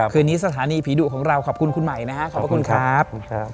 คืนนี้สถานีผีดุของเราขอบคุณคุณใหม่นะฮะขอบพระคุณครับ